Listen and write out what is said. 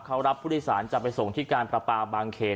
เขารับพฤติศาลจะไปส่งที่การประปาบางเขต